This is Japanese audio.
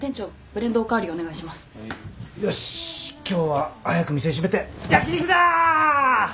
よし今日は早く店閉めて焼き肉だ！